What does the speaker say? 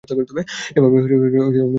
এভাবে বেঁচে থাকা অনেক কষ্টকর।